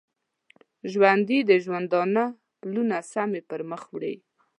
ژوندي د ژوندانه پلونه سمی پرمخ وړي